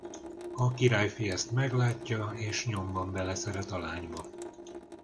A királyfi ezt meglátja és nyomban beleszeret a lányba.